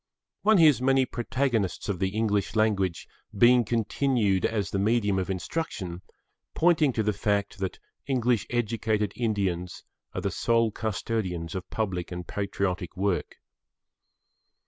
One hears many protagonists of the English language being continued as the medium of instruction pointing to the fact that English educated Indians are the sole custodians of public and patriotic work.